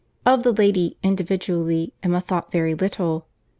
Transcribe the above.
Of the lady, individually, Emma thought very little.